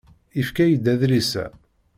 Yefka-iyi-d adlis-a.